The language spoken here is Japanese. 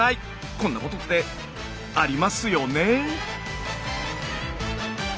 こんなことってありますよね。